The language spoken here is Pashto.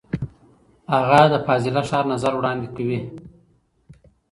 هغه د فاضله ښار نظر وړاندې کوي.